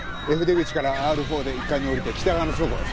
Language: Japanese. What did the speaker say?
Ｆ出口からＲ４で１階に下りて北側の倉庫へ。